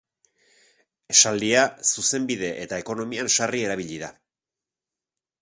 Esaldia zuzenbide eta ekonomian sarri erabili da.